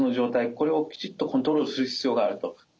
これをきちっとコントロールする必要があると。